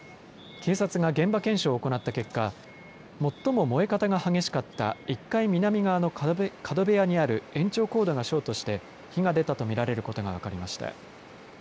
警察が現場検証を行った結果最も燃え方が激しかった１階南側の角部屋にある延長コードがショートして火が出たと見られることが分かりました。